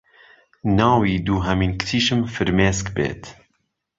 ناوی دوهەمین کچیشم فرمێسک بێت